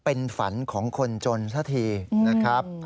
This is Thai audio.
มันฝันของคนจนซะทีนะครับ